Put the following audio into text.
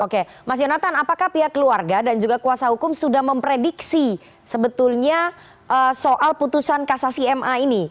oke mas yonatan apakah pihak keluarga dan juga kuasa hukum sudah memprediksi sebetulnya soal putusan kasasi ma ini